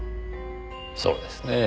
そうですねぇ。